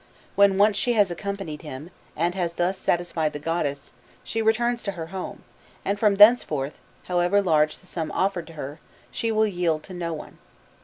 When once she has accompanied him, and has thus satisfied the goddess, she returns to her home, and from thenceforth, however large the sum offered to her, she will yield to no one.